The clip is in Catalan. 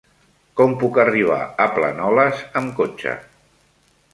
Com puc arribar a Planoles amb cotxe?